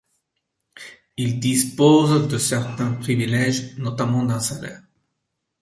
Il dispose de certains privilèges, notamment d'un salaire.